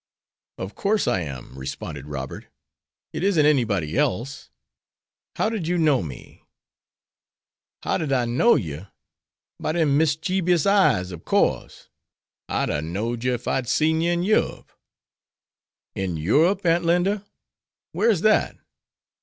"Of course I am," responded Robert. "It isn't anybody else. How did you know me?" "How did I know yer? By dem mischeebous eyes, ob course. I'd a knowed yer if I had seed yer in Europe." "In Europe, Aunt Linda? Where's that?"